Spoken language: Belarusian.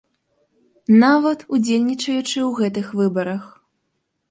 Нават удзельнічаючы ў гэтых выбарах.